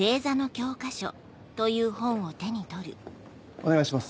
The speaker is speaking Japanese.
お願いします。